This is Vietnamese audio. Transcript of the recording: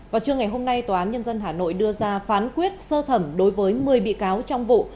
vào trưa ngày hôm nay tòa án nhân dân hà nội đưa ra phán quyết sơ thẩm đối với một mươi bị cáo trong vụ